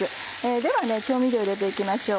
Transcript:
では調味料入れていきましょう。